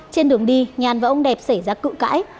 trên đường đi nhàn và ông đẹp xảy ra cự cãi